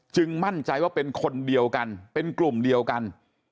มั่นใจว่าเป็นคนเดียวกันเป็นกลุ่มเดียวกัน